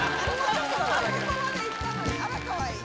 あそこまでいったのにあらかわいい！